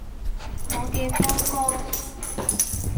我嘅光哥